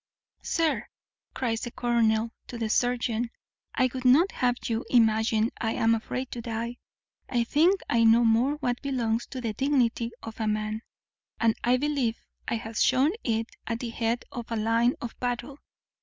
"Sir," cries the colonel to the surgeon, "I would not have you imagine I am afraid to die. I think I know more what belongs to the dignity of a man; and, I believe, I have shewn it at the head of a line of battle.